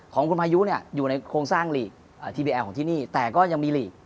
ของคุณพายุเนี่ยอยู่ในโครงสร้างหลีกทีวีแอลของที่นี่แต่ก็ยังมีหลีก